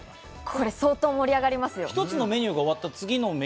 これ、相当盛り上がりますよ。